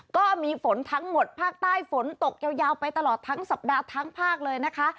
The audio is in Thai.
ก็มีฝนทั้งหมดภาคใต้ฝนตกยาวไปตลอดทั้งสัปดาห์ทั้งภาคเลยนะคะ